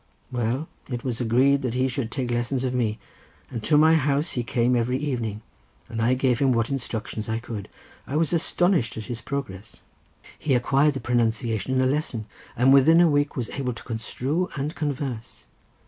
"Well, it was agreed that he should take lessons of me; and to my house he came every evening, and I gave him what instructions I could. I was astonished at his progress. He acquired the pronunciation in a lesson, and within a week was able to construe and converse.